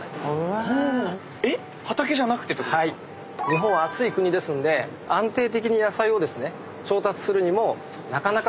日本は暑い国ですんで安定的に野菜を調達するにも課題が。